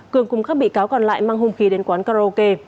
cường cùng các bị cáo còn lại mang hung khí đến quán karaoke